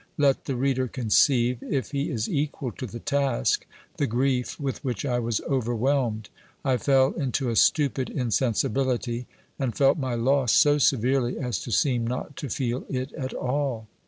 Let the reader conceive, if he is equal to the task, the grief with which I was overwhelmed : I fell into a stupid insensibility ; and felt my loss so severely, as to seem not to feel it at all.